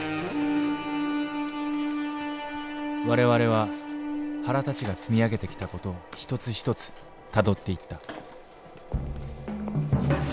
我々は原たちが積み上げてきた事を一つ一つたどっていったおい！